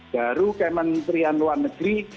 baru kementerian luar negeri